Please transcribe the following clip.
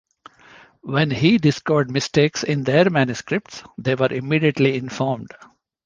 When he discovered mistakes in their manuscripts, they were immediately informed.